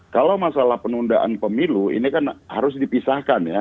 kalau masalah penundaan pemilu ini kan harus dipisahkan ya